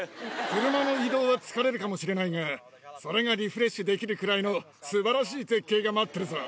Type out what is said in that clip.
車の移動は疲れるかもしれないが、それがリフレッシュできるくらいの、すばらしい絶景が待ってるぞ。